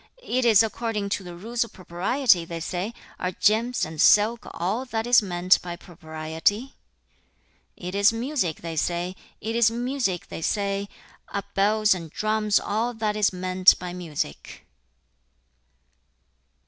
"It is according to the rules of propriety," they say. Are gems and silk all that is meant by propriety? "It is music," they say. "It is music," they say. Are bells and drums all that is meant by music?'